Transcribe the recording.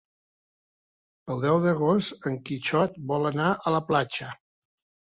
El deu d'agost en Quixot vol anar a la platja.